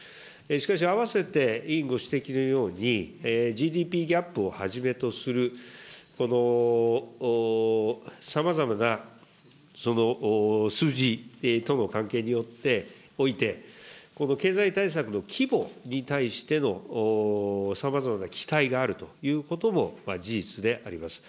しかし、併せて委員ご指摘のように、ＧＤＰギャップをはじめとする、このさまざまな数字との関係によって、おいて、この経済対策の規模に対してのさまざまな期待があるということも事実であります。